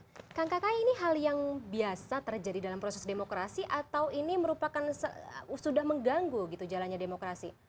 oke kang kakak ini hal yang biasa terjadi dalam proses demokrasi atau ini merupakan sudah mengganggu jalannya demokrasi